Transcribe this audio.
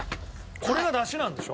これが出汁なんでしょ？